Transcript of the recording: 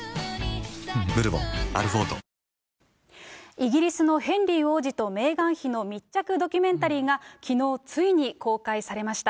イギリスのヘンリー王子とメーガン妃の密着ドキュメンタリーが、きのう、ついに公開されました。